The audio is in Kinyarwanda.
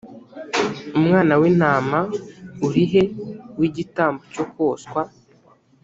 umwana w intama uri he w igitambo cyo koswa